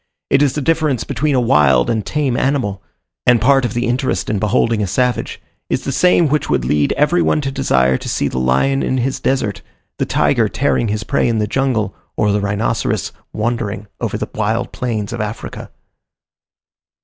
It is the difference between a wild and tame animal: and part of the interest in beholding a savage, is the same which would lead every one to desire to see the lion in his desert, the tiger tearing his prey in the jungle, or the rhinoceros wandering over the wild plains of Africa.